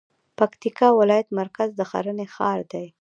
پکتيکا ولايت مرکز د ښرنې ښار دی